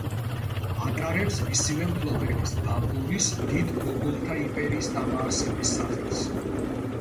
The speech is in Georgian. ატარებს, მისივე მფლობელის, ბაბურის, დიდ მოგოლთა იმპერიის დამაარსებლის სახელს.